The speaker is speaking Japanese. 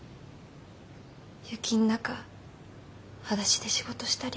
雪ん中はだしで仕事したり。